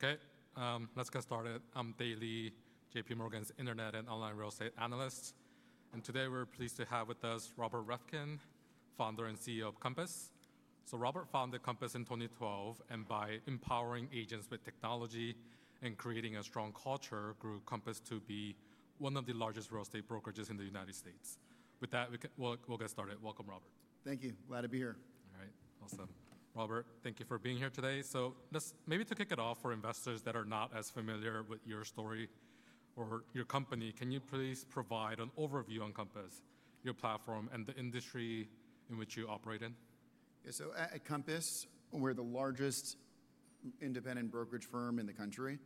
Okay, let's get started. I'm Daily, J.P. Morgan's Internet and Online Real Estate Analyst. Today we're pleased to have with us Robert Reffkin, founder and CEO of Compass. Robert founded Compass in 2012, and by empowering agents with technology and creating a strong culture, grew Compass to be one of the largest real estate brokerages in the United States. With that, we'll get started. Welcome, Robert. Thank you. Glad to be here. All right. Awesome. Robert, thank you for being here today. Just maybe to kick it off, for investors that are not as familiar with your story or your company, can you please provide an overview on Compass, your platform, and the industry in which you operate? Yeah, so at Compass, we're the largest independent brokerage firm in the country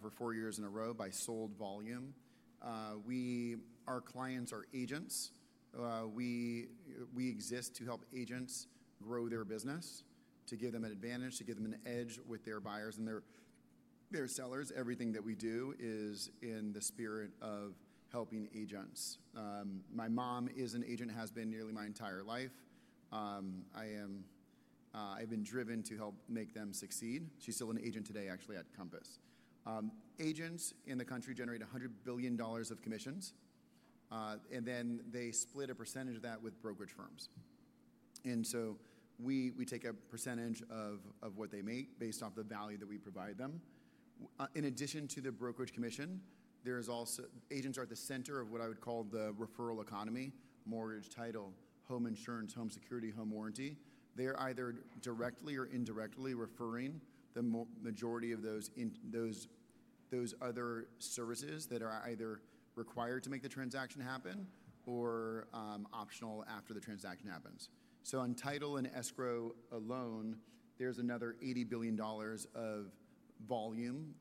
for four years in a row by sold volume. Our clients are agents. We exist to help agents grow their business, to give them an advantage, to give them an edge with their buyers and their sellers. Everything that we do is in the spirit of helping agents. My mom is an agent and has been nearly my entire life. I've been driven to help make them succeed. She's still an agent today, actually, at Compass. Agents in the country generate $100 billion of commissions, and then they split a percentage of that with brokerage firms. We take a percentage of what they make based off the value that we provide them. In addition to the brokerage commission, there is also agents are at the center of what I would call the referral economy: mortgage, title, home insurance, home security, home warranty. They're either directly or indirectly referring the majority of those other services that are either required to make the transaction happen or optional after the transaction happens. On title and escrow alone, there's another $80 billion of volume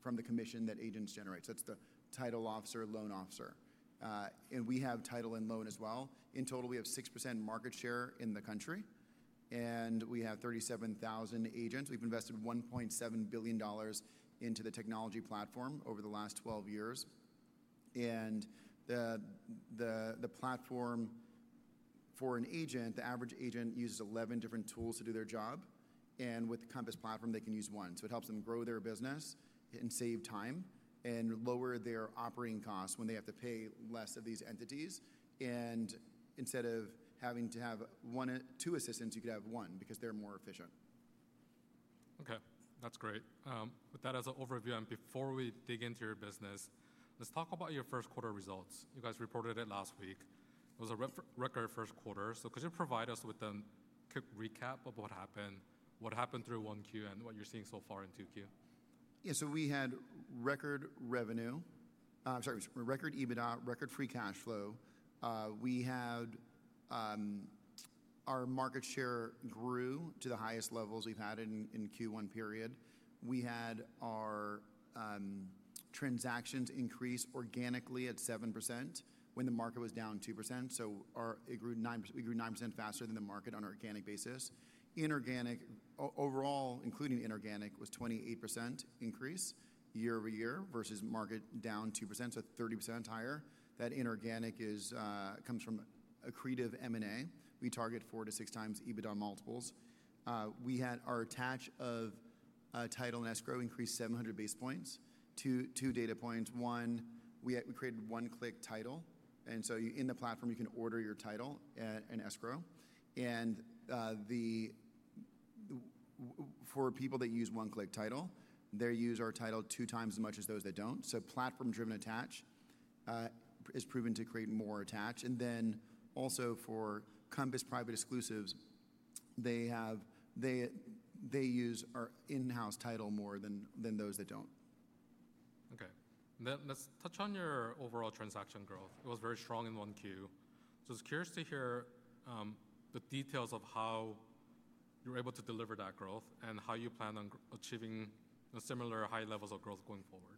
from the commission that agents generate. That's the title officer, loan officer. We have title and loan as well. In total, we have 6% market share in the country, and we have 37,000 agents. We've invested $1.7 billion into the technology platform over the last 12 years. The platform for an agent, the average agent uses 11 different tools to do their job. With the Compass platform, they can use one. It helps them grow their business and save time and lower their operating costs when they have to pay less of these entities. Instead of having to have two assistants, you could have one because they're more efficient. Okay, that's great. With that as an overview, and before we dig into your business, let's talk about your first quarter results. You guys reported it last week. It was a record first quarter. Could you provide us with a quick recap of what happened, what happened through Q1, and what you're seeing so far in Q2? Yeah, so we had record revenue, I'm sorry, record EBITDA, record free cash flow. Our market share grew to the highest levels we've had in a Q1 period. We had our transactions increase organically at 7% when the market was down 2%. It grew 9% faster than the market on an organic basis. Inorganic overall, including inorganic, was a 28% increase year over year versus market down 2%, so 30% higher. That inorganic comes from accretive M&A. We target 4-6 times EBITDA multiples. We had our attach of title and escrow increase 700 basis points to two data points. One, we created One-Click Title. In the platform, you can order your title and escrow. For people that use One-Click Title, they use our title two times as much as those that do not. Platform-driven attach has proven to create more attach. For Compass Private Exclusives, they use our in-house title more than those that do not. Okay. Let's touch on your overall transaction growth. It was very strong in Q1. I was curious to hear the details of how you're able to deliver that growth and how you plan on achieving similar high levels of growth going forward.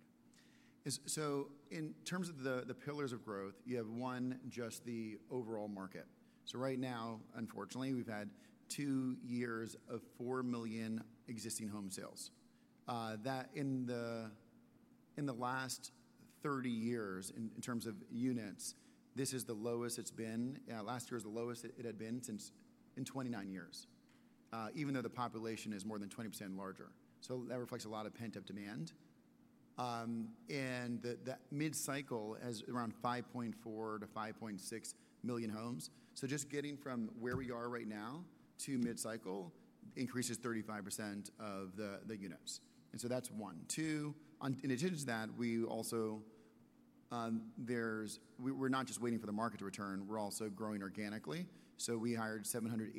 In terms of the pillars of growth, you have one, just the overall market. Right now, unfortunately, we've had two years of 4 million existing home sales. In the last 30 years, in terms of units, this is the lowest it's been. Last year was the lowest it had been in 29 years, even though the population is more than 20% larger. That reflects a lot of pent-up demand. That mid-cycle has around 5.4-5.6 million homes. Just getting from where we are right now to mid-cycle increases 35% of the units. That's one. Two, in addition to that, we're not just waiting for the market to return. We're also growing organically. We hired 700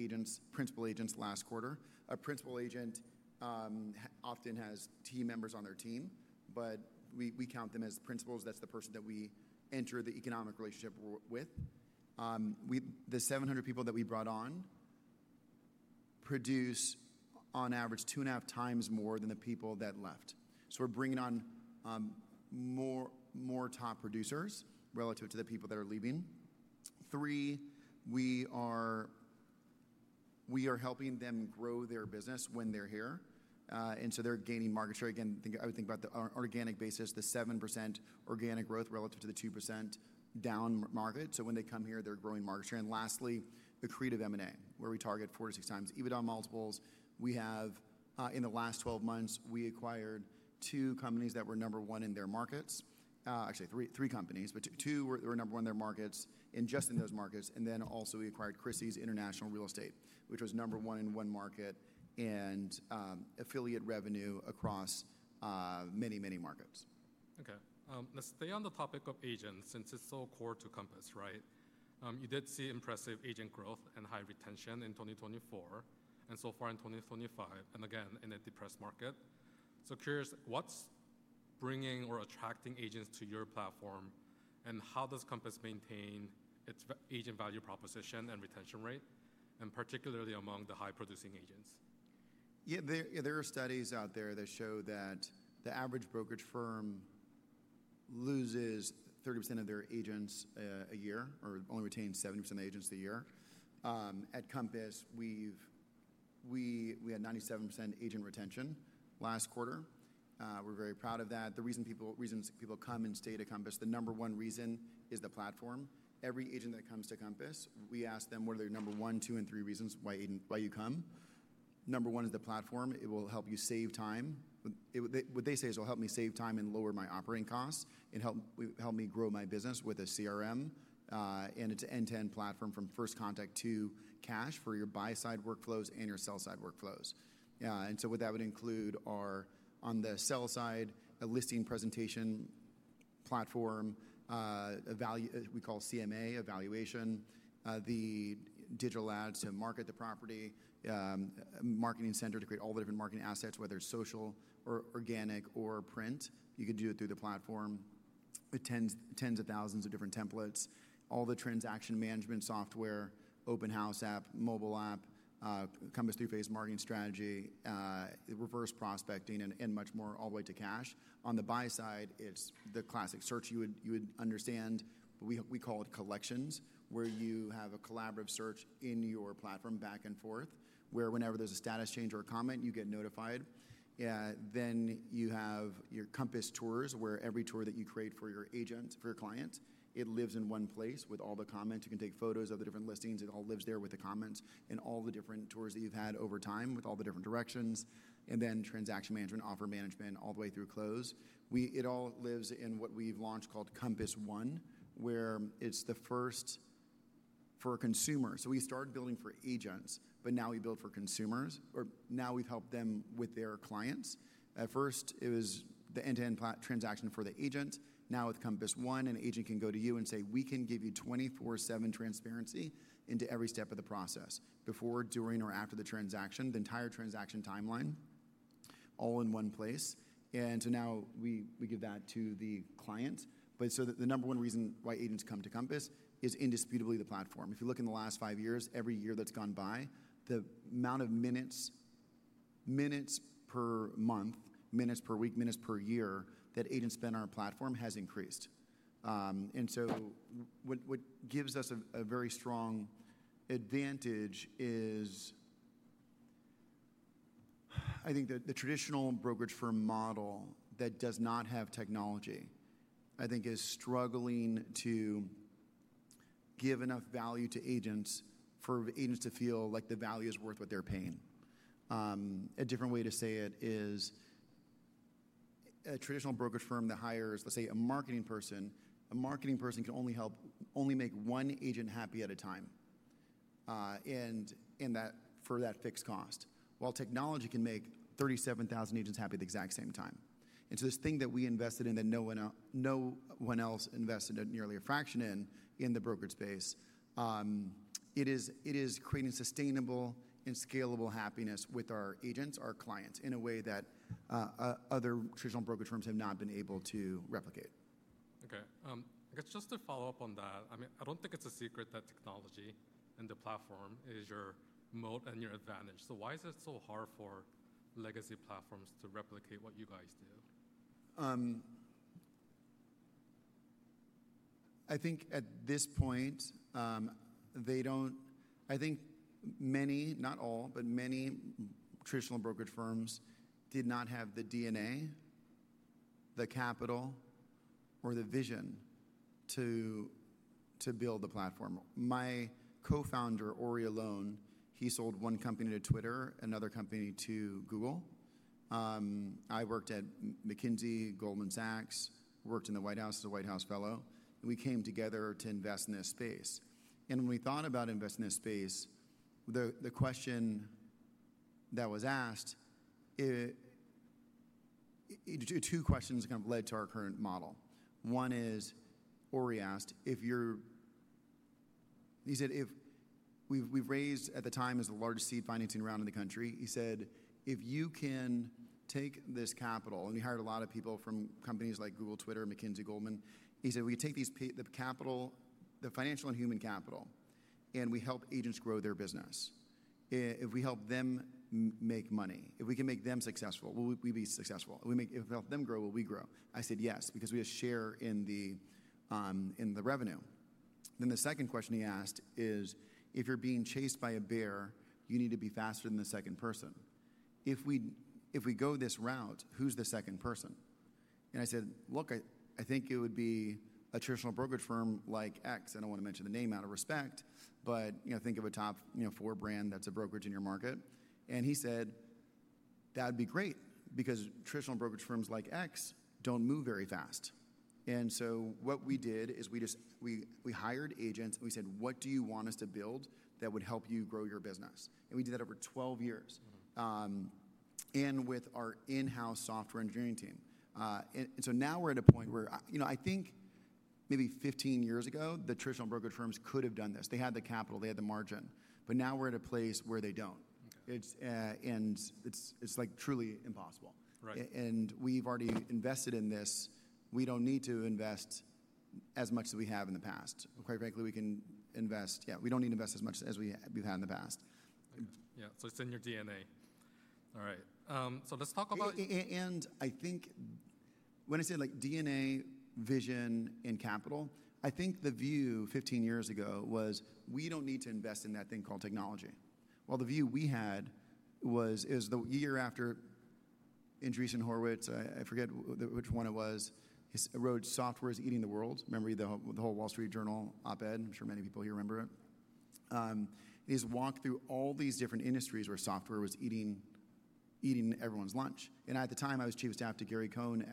principal agents last quarter. A principal agent often has team members on their team, but we count them as principals. That's the person that we enter the economic relationship with. The 700 people that we brought on produce on average two and a half times more than the people that left. So we're bringing on more top producers relative to the people that are leaving. Three, we are helping them grow their business when they're here. And so they're gaining market share. Again, I would think about the organic basis, the 7% organic growth relative to the 2% down market. So when they come here, they're growing market share. And lastly, accretive M&A, where we target 4-6 times EBITDA multiples. In the last 12 months, we acquired two companies that were number one in their markets. Actually, three companies, but two were number one in their markets and just in those markets. We acquired Christie's International Real Estate, which was number one in one market and affiliate revenue across many, many markets. Okay. Let's stay on the topic of agents since it's so core to Compass, right? You did see impressive agent growth and high retention in 2024 and so far in 2025, and again, in a depressed market. Curious, what's bringing or attracting agents to your platform, and how does Compass maintain its agent value proposition and retention rate, and particularly among the high-producing agents? Yeah, there are studies out there that show that the average brokerage firm loses 30% of their agents a year or only retains 70% of agents a year. At Compass, we had 97% agent retention last quarter. We're very proud of that. The reason people come and stay to Compass, the number one reason is the platform. Every agent that comes to Compass, we ask them, what are their number one, two, and three reasons why you come? Number one is the platform. It will help you save time. What they say is, "It'll help me save time and lower my operating costs and help me grow my business with a CRM and it's an end-to-end platform from first contact to cash for your buy-side workflows and your sell-side workflows." What that would include are on the sell side, a listing presentation platform, we call CMA Evaluation, the digital ads to market the property, Marketing Center to create all the different marketing assets, whether it's social or organic or print. You could do it through the platform. Tens of thousands of different templates. All the transaction management software, open house app, mobile app, Compass two-phase marketing strategy, reverse prospecting, and much more all the way to cash. On the buy side, it's the classic search you would understand. We call it collections, where you have a collaborative search in your platform back and forth, where whenever there's a status change or a comment, you get notified. You have your Compass tours, where every tour that you create for your agent, for your client, it lives in one place with all the comments. You can take photos of the different listings. It all lives there with the comments and all the different tours that you've had over time with all the different directions. Transaction management, offer management, all the way through close. It all lives in what we've launched called Compass One, where it's the first for consumers. We started building for agents, but now we build for consumers, or now we've helped them with their clients. At first, it was the end-to-end transaction for the agent. Now with Compass One, an agent can go to you and say, "We can give you 24/7 transparency into every step of the process, before, during, or after the transaction, the entire transaction timeline, all in one place." So now we give that to the client. The number one reason why agents come to Compass is indisputably the platform. If you look in the last five years, every year that's gone by, the amount of minutes per month, minutes per week, minutes per year that agents spend on our platform has increased. What gives us a very strong advantage is I think the traditional brokerage firm model that does not have technology, I think, is struggling to give enough value to agents for agents to feel like the value is worth what they're paying. A different way to say it is a traditional brokerage firm that hires, let's say, a marketing person. A marketing person can only make one agent happy at a time and for that fixed cost, while technology can make 37,000 agents happy at the exact same time. This thing that we invested in that no one else invested nearly a fraction in, in the brokerage space, it is creating sustainable and scalable happiness with our agents, our clients, in a way that other traditional brokerage firms have not been able to replicate. Okay. I guess just to follow up on that, I mean, I don't think it's a secret that technology and the platform is your moat and your advantage. Why is it so hard for legacy platforms to replicate what you guys do? I think at this point, I think many, not all, but many traditional brokerage firms did not have the DNA, the capital, or the vision to build the platform. My co-founder, Ori Allon, he sold one company to Twitter, another company to Google. I worked at McKinsey, Goldman Sachs, worked in the White House as a White House fellow. We came together to invest in this space. When we thought about investing in this space, the question that was asked, two questions kind of led to our current model. One is, Ori asked, if you're—he said, we raised at the time as the largest seed financing round in the country. He said, if you can take this capital, and we hired a lot of people from companies like Google, Twitter, McKinsey, Goldman. He said, we take the capital, the financial and human capital, and we help agents grow their business. If we help them make money, if we can make them successful, we'll be successful. If we help them grow, will we grow? I said, yes, because we have share in the revenue. The second question he asked is, if you're being chased by a bear, you need to be faster than the second person. If we go this route, who's the second person? I said, look, I think it would be a traditional brokerage firm like X. I don't want to mention the name out of respect, but think of a top four brand that's a brokerage in your market. He said, that'd be great because traditional brokerage firms like X don't move very fast. What we did is we hired agents and we said, what do you want us to build that would help you grow your business? We did that over 12 years and with our in-house software engineering team. Now we're at a point where I think maybe 15 years ago, the traditional brokerage firms could have done this. They had the capital, they had the margin, but now we're at a place where they do not. It is truly impossible. We have already invested in this. We do not need to invest as much as we have in the past. Quite frankly, we can invest—yeah, we do not need to invest as much as we have in the past. Yeah, so it's in your DNA. All right. So let's talk about. I think when I say like DNA, vision, and capital, I think the view 15 years ago was we do not need to invest in that thing called technology. The view we had was the year after Andreessen Horowitz, I forget which one it was, wrote Software is Eating the World. Remember the whole Wall Street Journal op-ed? I am sure many people here remember it. He walked through all these different industries where software was eating everyone's lunch. At the time, I was Chief of Staff to Gary Cohn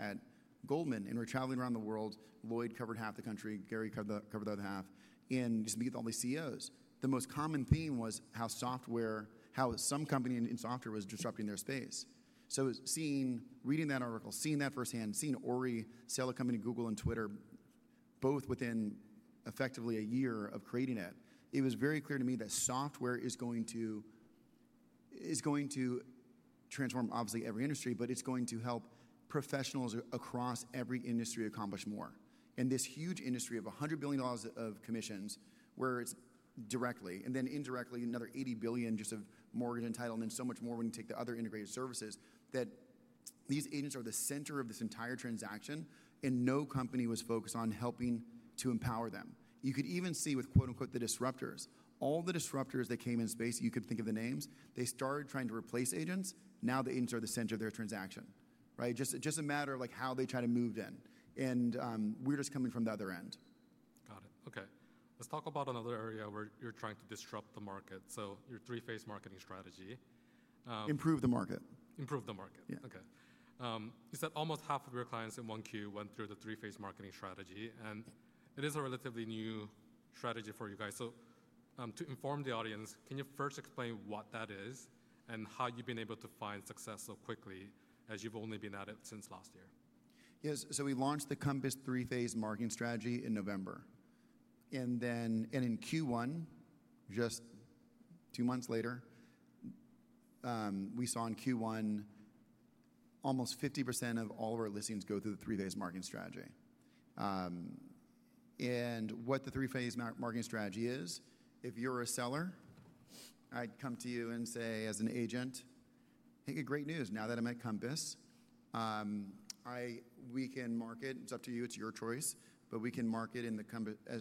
at Goldman Sachs. We were traveling around the world. Lloyd covered half the country. Gary covered the other half. We would just meet all the CEOs. The most common theme was how software, how some company in software was disrupting their space. Reading that article, seeing that firsthand, seeing Ori sell a company to Google and Twitter, both within effectively a year of creating it, it was very clear to me that software is going to transform, obviously, every industry, but it is going to help professionals across every industry accomplish more. This huge industry of $100 billion of commissions, where it is directly and then indirectly another $80 billion just of mortgage entitlements, so much more when you take the other integrated services, these agents are the center of this entire transaction and no company was focused on helping to empower them. You could even see with "the disruptors." All the disruptors that came in space, you could think of the names, they started trying to replace agents. Now the agents are the center of their transaction, right? Just a matter of how they try to move in. We're just coming from the other end. Got it. Okay. Let's talk about another area where you're trying to disrupt the market. So your three-phase marketing strategy. Improve the market. Improve the market. Yeah. Okay. You said almost half of your clients in Q1 went through the three-phase marketing strategy. And it is a relatively new strategy for you guys. To inform the audience, can you first explain what that is and how you've been able to find success so quickly as you've only been at it since last year? Yes. We launched the Compass three-phase marketing strategy in November. In Q1, just two months later, we saw in Q1 almost 50% of all of our listings go through the three-phase marketing strategy. What the three-phase marketing strategy is, if you're a seller, I'd come to you and say, as an agent, "Hey, great news. Now that I'm at Compass, we can market—it's up to you, it's your choice—but we can market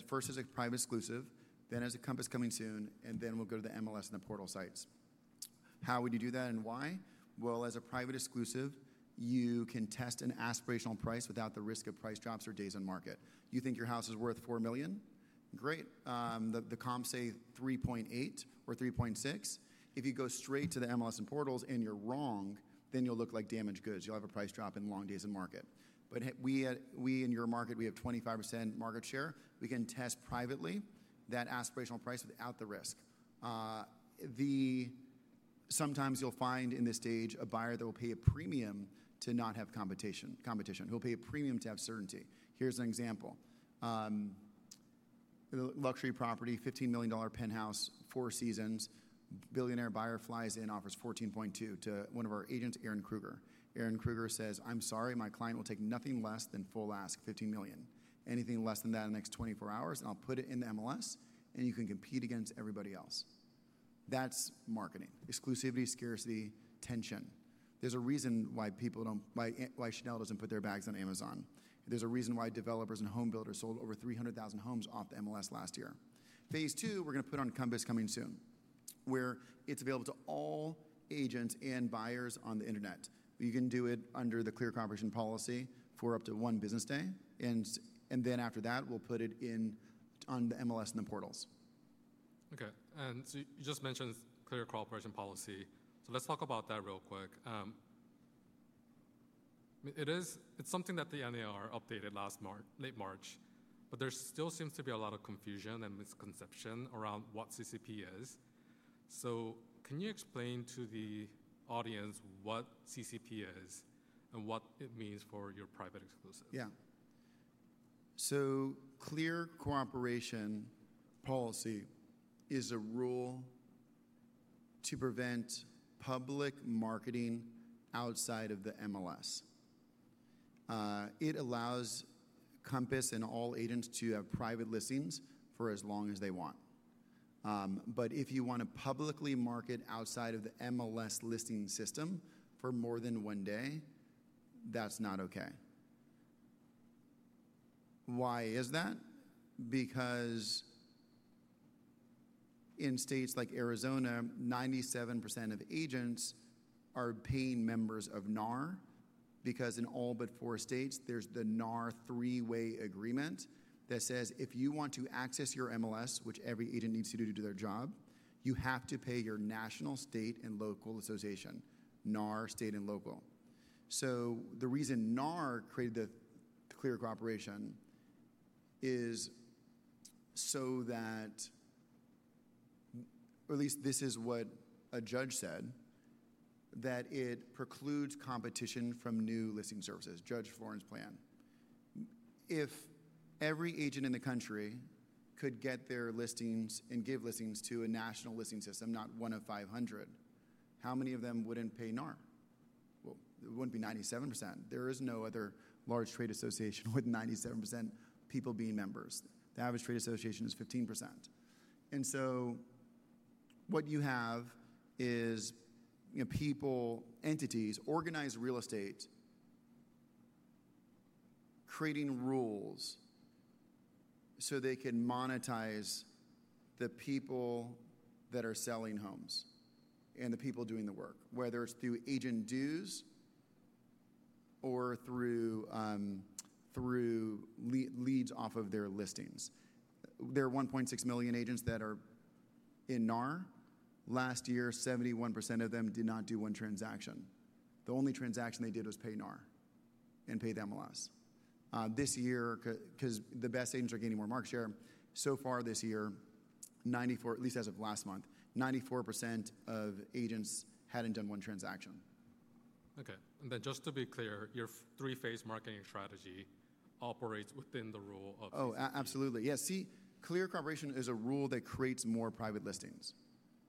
first as a private exclusive, then as a Compass Coming Soon, and then we'll go to the MLS and the portal sites." How would you do that and why? As a private exclusive, you can test an aspirational price without the risk of price drops or days on market. You think your house is worth $4 million? Great. The comps say $3.8 million or $3.6 million. If you go straight to the MLS and portals and you're wrong, then you'll look like damaged goods. You'll have a price drop and long days in market. We in your market, we have 25% market share. We can test privately that aspirational price without the risk. Sometimes you'll find in this stage a buyer that will pay a premium to not have competition. Who will pay a premium to have certainty? Here's an example. Luxury property, $15 million penthouse, Four Seasons. Billionaire buyer flies in, offers $14.2 million to one of our agents, Aaron Kruger. Aaron Kruger says, "I'm sorry, my client will take nothing less than full ask, $15 million. Anything less than that in the next 24 hours, and I'll put it in the MLS, and you can compete against everybody else." That's marketing. Exclusivity, scarcity, tension. There's a reason why Chanel doesn't put their bags on Amazon. There's a reason why developers and home builders sold over 300,000 homes off the MLS last year. Phase two, we're going to put on Compass Coming Soon, where it's available to all agents and buyers on the internet. You can do it under the Clear Cooperation Policy for up to one business day. After that, we'll put it on the MLS and the portals. Okay. You just mentioned clear cooperation policy. Let's talk about that real quick. It's something that the NAR updated last late March, but there still seems to be a lot of confusion and misconception around what CCP is. Can you explain to the audience what CCP is and what it means for your private exclusives? Yeah. So clear cooperation policy is a rule to prevent public marketing outside of the MLS. It allows Compass and all agents to have private listings for as long as they want. If you want to publicly market outside of the MLS listing system for more than one day, that's not okay. Why is that? In states like Arizona, 97% of agents are paying members of NAR because in all but four states, there's the NAR three-way agreement that says if you want to access your MLS, which every agent needs to do to do their job, you have to pay your national, state, and local association, NAR, state and local. The reason NAR created the clear cooperation is so that, or at least this is what a judge said, that it precludes competition from new listing services, Judge Florin's plan. If every agent in the country could get their listings and give listings to a national listing system, not one of 500, how many of them would not pay NAR? It would not be 97%. There is no other large trade association with 97% people being members. The average trade association is 15%. What you have is people, entities, organized real estate, creating rules so they can monetize the people that are selling homes and the people doing the work, whether it is through agent dues or through leads off of their listings. There are 1.6 million agents that are in NAR. Last year, 71% of them did not do one transaction. The only transaction they did was pay NAR and pay the MLS. This year, because the best agents are gaining more market share, so far this year, at least as of last month, 94% of agents hadn't done one transaction. Okay. And then just to be clear, your three-phase marketing strategy operates within the rule of. Oh, absolutely. Yes. See, clear cooperation is a rule that creates more private listings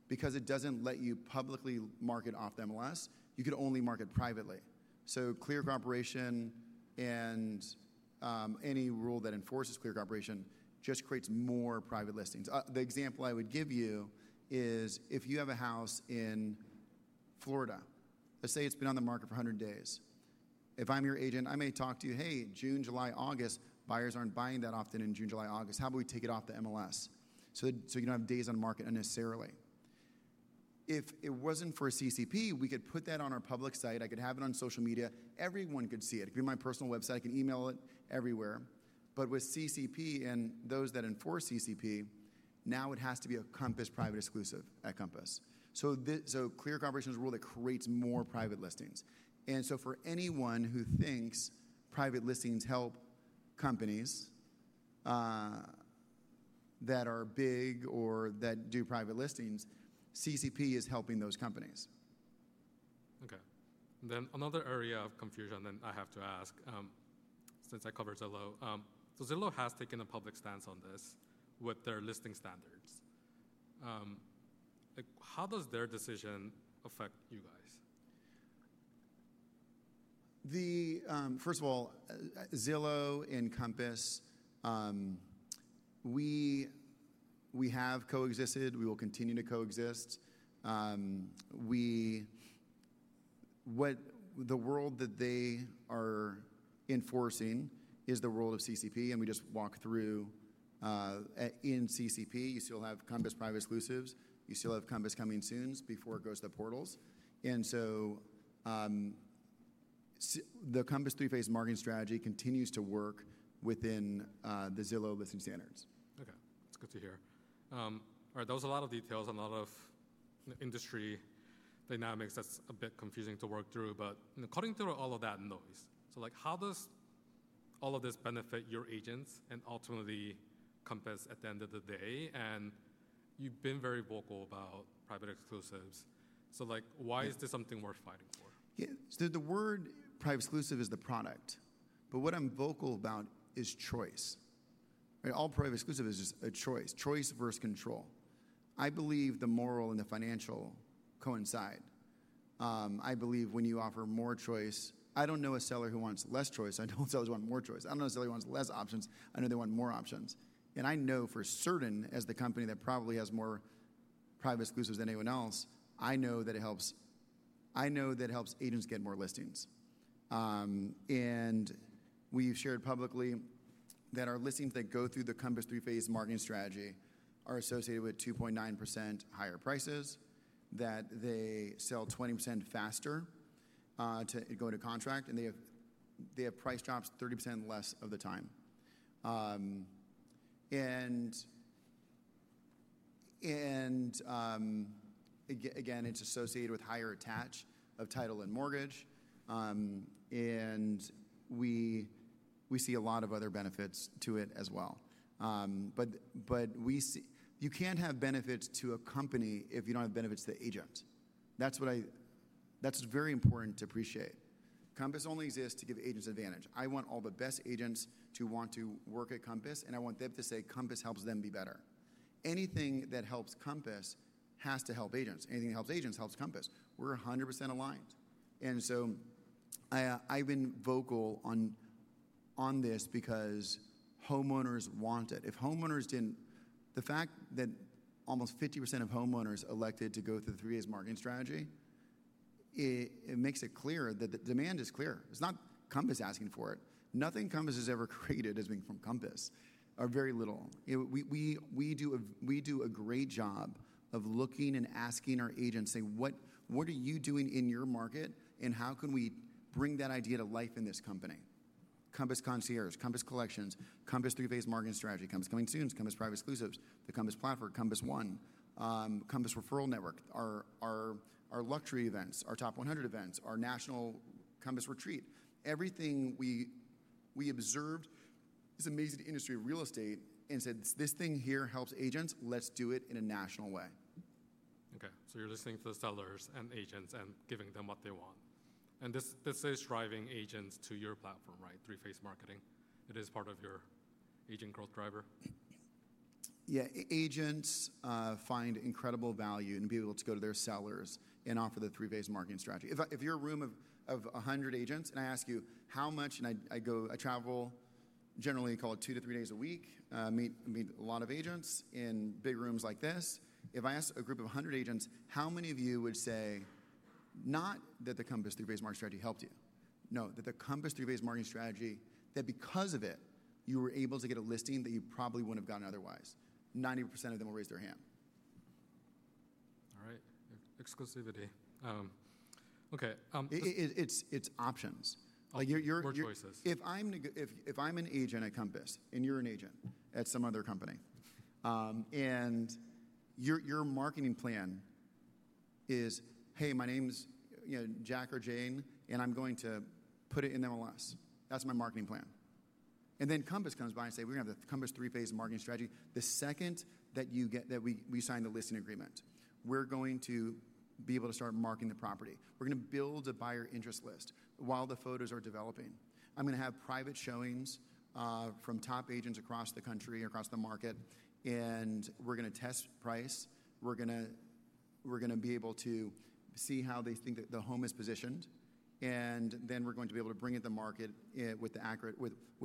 because it doesn't let you publicly market off the MLS. You could only market privately. So clear cooperation and any rule that enforces clear cooperation just creates more private listings. The example I would give you is if you have a house in Florida, let's say it's been on the market for 100 days. If I'm your agent, I may talk to you, "Hey, June, July, August, buyers aren't buying that often in June, July, August. How about we take it off the MLS?" So you don't have days on market unnecessarily. If it wasn't for CCP, we could put that on our public site. I could have it on social media. Everyone could see it. It could be my personal website. I can email it everywhere. With CCP and those that enforce CCP, now it has to be a Compass Private Exclusive at Compass. Clear Cooperation is a rule that creates more private listings. For anyone who thinks private listings help companies that are big or that do private listings, CCP is helping those companies. Okay. Then another area of confusion that I have to ask, since I cover Zillow. Zillow has taken a public stance on this with their listing standards. How does their decision affect you guys? First of all, Zillow and Compass, we have coexisted. We will continue to coexist. The world that they are enforcing is the rule of CCP. We just walk through, in CCP, you still have Compass Private Exclusives. You still have Compass Coming Soons before it goes to the portals. The Compass three-phase marketing strategy continues to work within the Zillow listing standards. Okay. That's good to hear. All right. That was a lot of details and a lot of industry dynamics that's a bit confusing to work through. But cutting through all of that noise, how does all of this benefit your agents and ultimately Compass at the end of the day? And you've been very vocal about private exclusives. Why is this something worth fighting for? Yeah. The word private exclusive is the product. What I'm vocal about is choice. All private exclusive is just a choice, choice versus control. I believe the moral and the financial coincide. I believe when you offer more choice, I don't know a seller who wants less choice. I don't know a seller who wants more choice. I don't know a seller who wants less options. I know they want more options. I know for certain as the company that probably has more private exclusives than anyone else, I know that it helps. I know that it helps agents get more listings. We've shared publicly that our listings that go through the Compass three-phase marketing strategy are associated with 2.9% higher prices, that they sell 20% faster to go into contract, and they have price drops 30% less of the time. It's associated with higher attach of title and mortgage. We see a lot of other benefits to it as well. You can't have benefits to a company if you don't have benefits to the agent. That's very important to appreciate. Compass only exists to give agents advantage. I want all the best agents to want to work at Compass, and I want them to say Compass helps them be better. Anything that helps Compass has to help agents. Anything that helps agents helps Compass. We're 100% aligned. I've been vocal on this because homeowners want it. If homeowners didn't, the fact that almost 50% of homeowners elected to go through the three-phase marketing strategy makes it clear that the demand is clear. It's not Compass asking for it. Nothing Compass has ever created has been from Compass. Or very little. We do a great job of looking and asking our agents, saying, "What are you doing in your market, and how can we bring that idea to life in this company?" Compass Concierge, Compass Collections, Compass three-phase marketing strategy, Compass Coming Soon, Compass Private Exclusives, the Compass Platform, Compass One, Compass referral network, our luxury events, our top 100 events, our national Compass retreat. Everything we observed is amazing to the industry of real estate and said, "This thing here helps agents. Let's do it in a national way. Okay. So you're listening to the sellers and agents and giving them what they want. And this is driving agents to your platform, right? Three-phase marketing. It is part of your agent growth driver? Yeah. Agents find incredible value in being able to go to their sellers and offer the three-phase marketing strategy. If you're a room of 100 agents and I ask you, "How much?" I travel generally, call it two to three days a week, meet a lot of agents in big rooms like this. If I ask a group of 100 agents, "How many of you would say not that the Compass three-phase marketing strategy helped you? No, that the Compass three-phase marketing strategy, that because of it, you were able to get a listing that you probably wouldn't have gotten otherwise?" 90% of them will raise their hand. All right. Exclusivity. Okay. It's options. More choices. If I'm an agent at Compass and you're an agent at some other company and your marketing plan is, "Hey, my name's Jack or Jane, and I'm going to put it in the MLS." That's my marketing plan. Compass comes by and says, "We're going to have the Compass three-phase marketing strategy." The second that we sign the listing agreement, we're going to be able to start marketing the property. We're going to build a buyer interest list while the photos are developing. I'm going to have private showings from top agents across the country, across the market, and we're going to test price. We're going to be able to see how they think that the home is positioned, and then we're going to be able to bring it to market with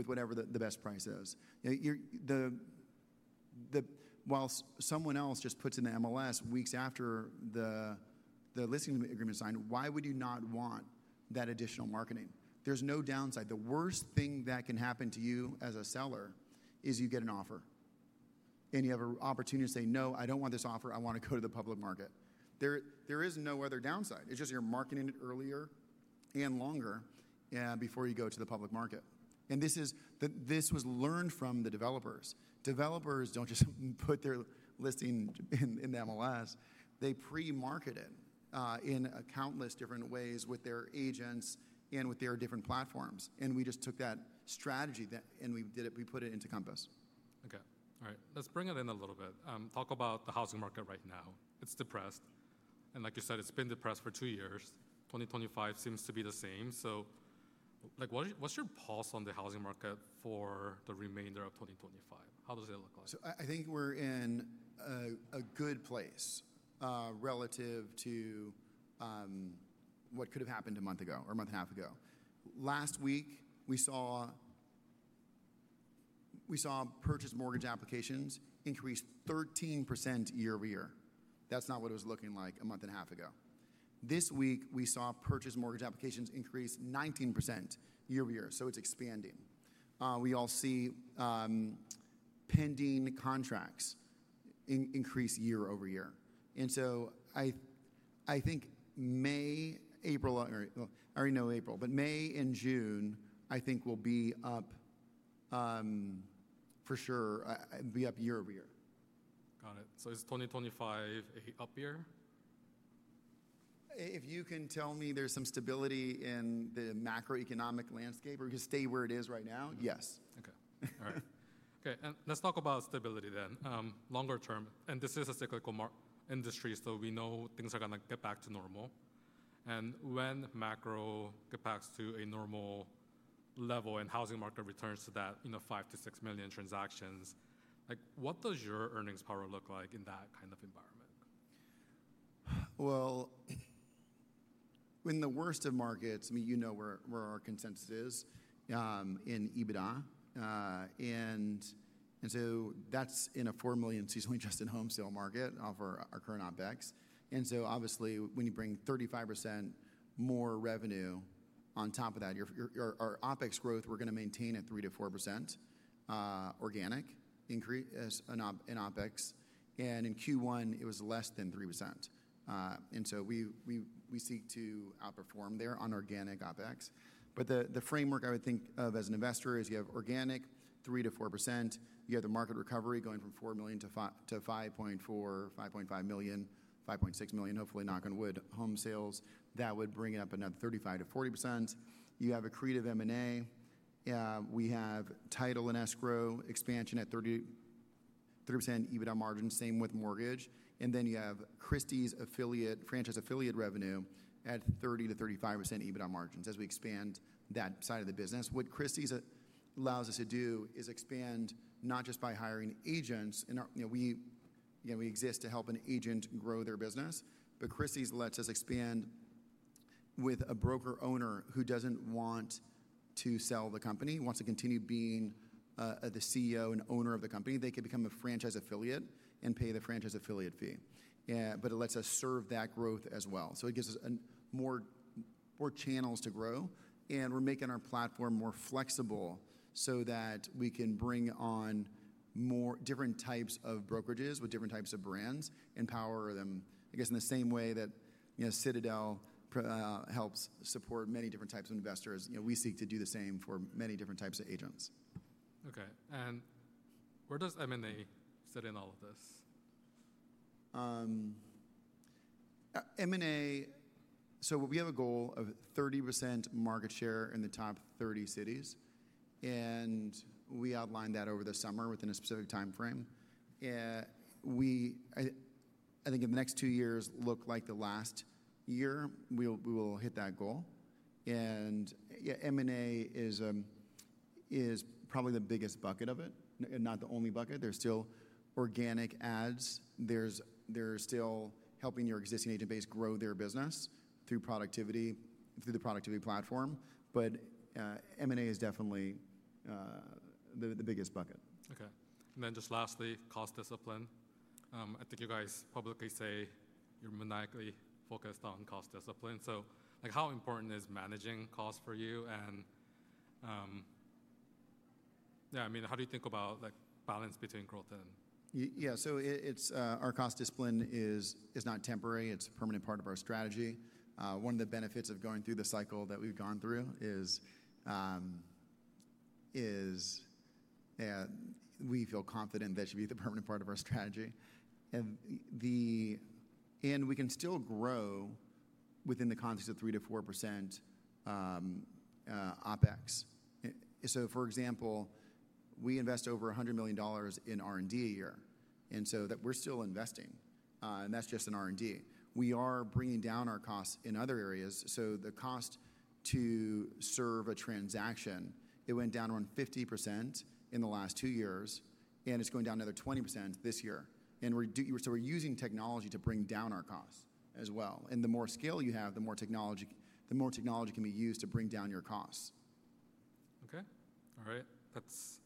whatever the best price is. While someone else just puts in the MLS weeks after the listing agreement is signed, why would you not want that additional marketing? There's no downside. The worst thing that can happen to you as a seller is you get an offer, and you have an opportunity to say, "No, I don't want this offer. I want to go to the public market." There is no other downside. It's just you're marketing it earlier and longer before you go to the public market. This was learned from the developers. Developers don't just put their listing in the MLS. They pre-market it in countless different ways with their agents and with their different platforms. We just took that strategy and we put it into Compass. Okay. All right. Let's bring it in a little bit. Talk about the housing market right now. It's depressed. And like you said, it's been depressed for two years. 2025 seems to be the same. What's your pulse on the housing market for the remainder of 2025? How does it look like? I think we're in a good place relative to what could have happened a month ago or a month and a half ago. Last week, we saw purchase mortgage applications increase 13% year over year. That's not what it was looking like a month and a half ago. This week, we saw purchase mortgage applications increase 19% year over year. It's expanding. We all see pending contracts increase year over year. I think May, April, or I already know April, but May and June, I think will be up for sure, be up year over year. Got it. So is 2025 an up year? If you can tell me there's some stability in the macroeconomic landscape or it could stay where it is right now, yes. Okay. All right. Okay. Let's talk about stability then, longer term. This is a cyclical industry, so we know things are going to get back to normal. When macro gets back to a normal level and housing market returns to that five to six million transactions, what does your earnings power look like in that kind of environment? In the worst of markets, I mean, you know where our consensus is in EBITDA. That is in a 4 million seasonally adjusted home sale market for our current OPEX. Obviously, when you bring 35% more revenue on top of that, our OPEX growth, we're going to maintain at 3-4% organic in OPEX. In Q1, it was less than 3%. We seek to outperform there on organic OPEX. The framework I would think of as an investor is you have organic 3-4%. You have the market recovery going from 4 million to 5.4-5.5 million, 5.6 million, hopefully knock on wood, home sales. That would bring it up another 35-40%. You have accretive M&A. We have title and escrow expansion at 30% EBITDA margin, same with mortgage. You have Christie's franchise affiliate revenue at 30-35% EBITDA margins as we expand that side of the business. What Christie's allows us to do is expand not just by hiring agents. We exist to help an agent grow their business, but Christie's lets us expand with a broker owner who does not want to sell the company, wants to continue being the CEO and owner of the company. They can become a franchise affiliate and pay the franchise affiliate fee. It lets us serve that growth as well. It gives us more channels to grow. We are making our platform more flexible so that we can bring on different types of brokerages with different types of brands and power them, I guess, in the same way that Citadel helps support many different types of investors. We seek to do the same for many different types of agents. Okay. And where does M&A fit in all of this? We have a goal of 30% market share in the top 30 cities. We outlined that over the summer within a specific time frame. I think in the next two years, like the last year, we will hit that goal. M&A is probably the biggest bucket of it, not the only bucket. There are still organic ads. There is still helping your existing agent base grow their business through the productivity platform. M&A is definitely the biggest bucket. Okay. And then just lastly, cost discipline. I think you guys publicly say you're maniacally focused on cost discipline. How important is managing cost for you? Yeah, I mean, how do you think about balance between growth and? Yeah. Our cost discipline is not temporary. It is a permanent part of our strategy. One of the benefits of going through the cycle that we have gone through is we feel confident that it should be the permanent part of our strategy. We can still grow within the context of 3-4% OPEX. For example, we invest over $100 million in R&D a year. We are still investing, and that is just in R&D. We are bringing down our costs in other areas. The cost to serve a transaction went down around 50% in the last two years, and it is going down another 20% this year. We are using technology to bring down our costs as well. The more scale you have, the more technology can be used to bring down your costs. Okay. All right. That's.